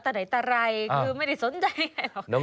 แต่ไหนคือไม่ได้สนใจไงหรอก